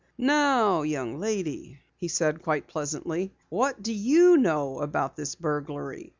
"Now young lady," he said, quite pleasantly. "What do you know about this burglary?